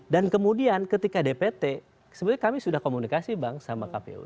dan kemudian ketika dpt sebenarnya kami sudah komunikasi bang sama kpu